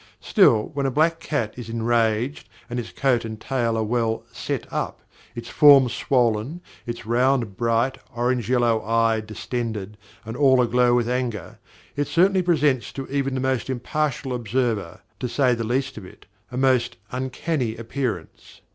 Still, when a black cat is enraged and its coat and tail are well "set up," its form swollen, its round, bright, orange yellow eye distended and all aglow with anger, it certainly presents to even the most impartial observer, to say the least of it, a most "uncanny" appearance.